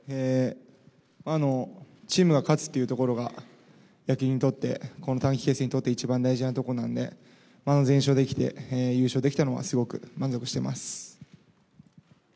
チームが勝つっていうところが、野球にとって、この短期決戦にとって一番大事なとこなんで、全勝できて、優勝できたのはすごく満足しています。